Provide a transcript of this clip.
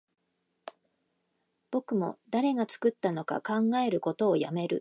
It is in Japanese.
僕も誰が作ったのか考えることをやめる